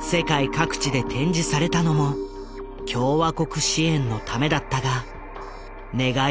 世界各地で展示されたのも共和国支援のためだったが願い